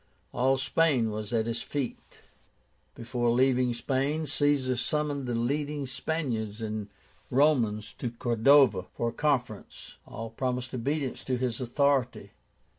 All Spain was at his feet. Before leaving Spain, Caesar summoned the leading Spaniards and Romans to Cordova, for a conference. All promised obedience to his authority.